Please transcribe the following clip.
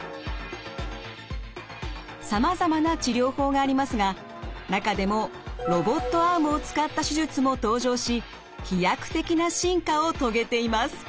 さまざまな治療法がありますが中でもロボットアームを使った手術も登場し飛躍的な進化を遂げています。